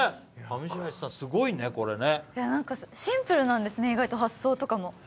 シンプルなんですね、意外と発想とかも。